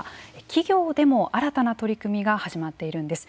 企業でも、新たな取り組みが始まっているんです。